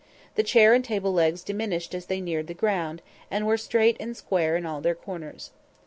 The chair and table legs diminished as they neared the ground, and were straight and square in all their corners.